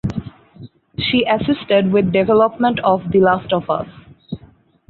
She assisted with development of "The Last of Us".